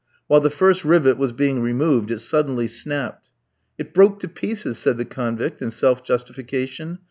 While the first rivet was being removed it suddenly snapped. "It broke to pieces," said the convict in self justification.